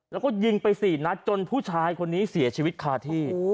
แล้วก็ยิงไป๔นัดจนผู้ชายคนนี้เสียชีวิตคาที่